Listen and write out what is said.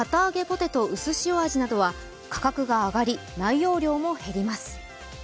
ポテトうすしお味などは価格が上がり、内容量も減ります。